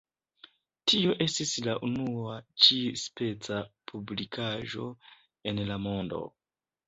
Tio estis la unua ĉi-speca publikaĵo en la mondo.